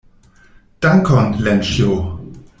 Dankon, Lenĉjo.